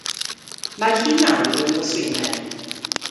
Mae hi nawr yn nos Wener.